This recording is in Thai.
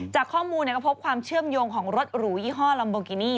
จากข้อมูลก็พบความเชื่อมโยงของรถหรูยี่ห้อลัมโบกินี่